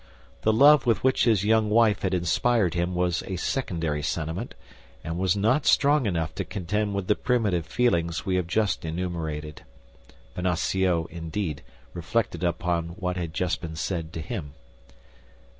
The love with which his young wife had inspired him was a secondary sentiment, and was not strong enough to contend with the primitive feelings we have just enumerated. Bonacieux indeed reflected on what had just been said to him.